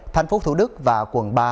thành phố thủ đức và quận ba